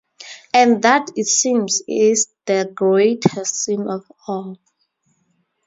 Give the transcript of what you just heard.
And that, it seems, is the greatest sin of all.